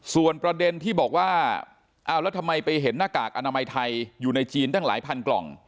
ส่วนประเด็นที่บอกว่าเอาแล้วทำไมไปเห็นหน้ากากอนามัยไทยอยู่ในจีนตั้งหลายพันกล่อง